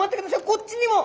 こっちにも！